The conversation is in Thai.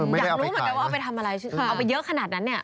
อยากรู้เหมือนกันว่าเอาไปทำอะไรเอาไปเยอะขนาดนั้นเนี่ย